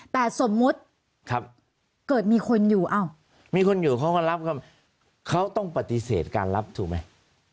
แต่สมมุติเกิดมีคนอยู่อ้าวมีคนอยู่เขาก็รับเขาต้องปฏิเสธการรับถูกไหม